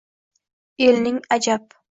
Elning, ajab